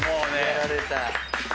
やられた。